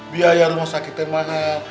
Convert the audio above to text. biaya rumah sakitnya mahal